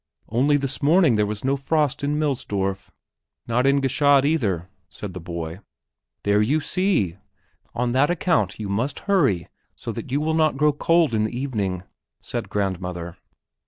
Only this morning there was no frost in Millsdorf." "Not in Gschaid, either," said the boy. "There you see. On that account you must hurry so that you will not grow too cold in the evening," said grandmother.